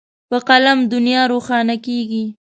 په قلم دنیا روښانه کېږي.